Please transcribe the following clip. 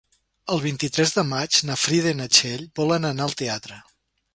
El vint-i-tres de maig na Frida i na Txell volen anar al teatre.